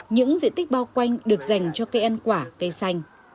những diện tích bao quanh được dành cho cây ăn quả cây xanh